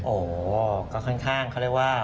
โอ้โหก็ค่อนข้างเขาเรียกว่า